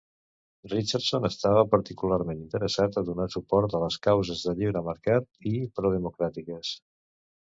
Richardson estava particularment interessat a donar suport a les causes de lliure mercat i pro-democràtiques.